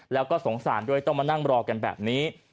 แล้วก็สงสารด้วยต้องมานั่งรอกันแบบนี้